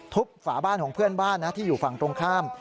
ฝาบ้านของเพื่อนบ้านนะที่อยู่ฝั่งตรงข้าม